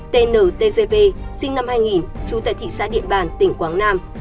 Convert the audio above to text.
t n t g v sinh năm hai nghìn trú tại thị xã điện bàn tỉnh quảng nam